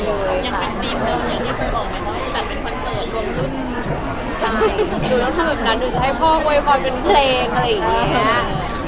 ดูต้องทำแบบนั้นดูจะให้พ่อโบยบอลเป็นเพลงอะไรอย่างนี้